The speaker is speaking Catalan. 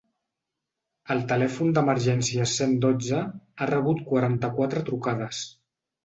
El telèfon d’emergències cent dotze ha rebut quaranta-quatre trucades.